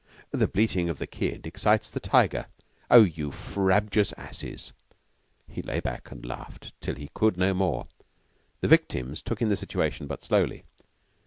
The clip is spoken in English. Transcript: "'The bleatin' of the kid excites the tiger.' Oh, you frabjous asses!" He lay back and laughed till he could no more. The victims took in the situation but slowly.